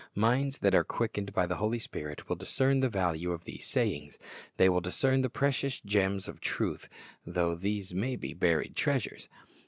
Minds that are quickened by the Holy Spirit will discern the value of these sayiAgs. They will discern the precious gems of truth, though these may be buried treasures.